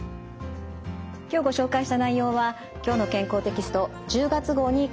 今日ご紹介した内容は「きょうの健康」テキスト１０月号に詳しく掲載されています。